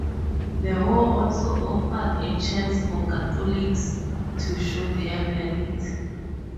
The war also offered a chance for Catholics to show their loyalty.